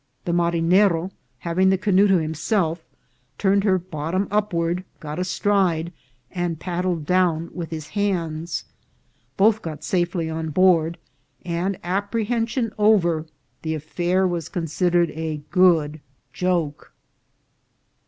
The marinero, having the canoe to himself, turned her bottom upward, got astride, and paddled down with his hands. Both got safely on board, and, apprehension over, the affair was considered a good joke.